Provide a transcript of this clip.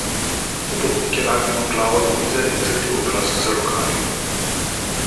Popotnik je nagnil glavo do mize in zakril obraz z rokami.